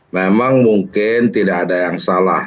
memang mungkin tidak ada yang salah